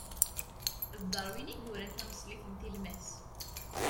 D Darwin i yuran taneṣlit n tilmas.